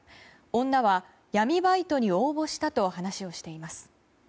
女は闇バイトに応募したと話をしています。